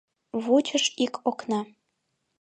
Вучыш ик окна.